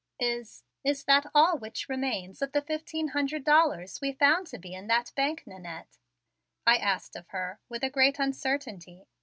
"Is is that all which remains of the fifteen hundred dollars we found to be in that bank, Nannette?" I asked of her with a great uncertainty.